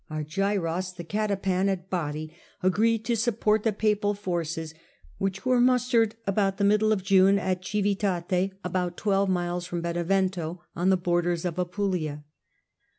4. Argyros, the catapan at Bari, agreed to support the 1 1,1 papal forces, which were mustered, about the middle of ym June, at Civitate, some twelve miles from Benevento, on ^1 the borders of Apulia.